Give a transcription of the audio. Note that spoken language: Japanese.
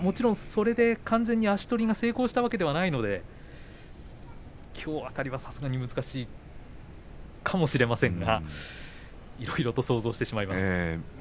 それで完全に、足取りが成功したわけではないのできょう辺りはさすがに難しいかもしれませんがいろいろと想像してしまいます。